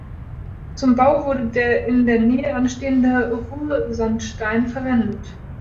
Zum Bau wurde der in der Nähe anstehende Ruhrsandstein verwendet.